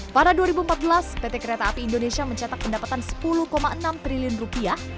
pada dua ribu empat belas pt kereta api indonesia mencetak pendapatan sepuluh enam triliun rupiah